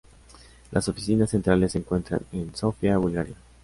Las oficinas centrales se encuentra en Sofía, Bulgaria.